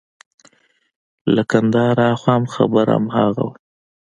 له کندهاره هاخوا هم خبره هماغه وه.